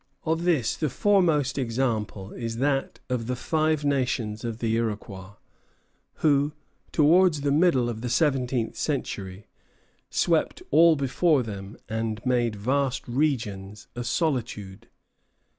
Of this the foremost example is that of the Five Nations of the Iroquois, who, towards the middle of the seventeenth century, swept all before them and made vast regions a solitude.